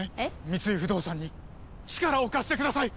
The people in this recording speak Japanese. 三井不動産に力を貸してください！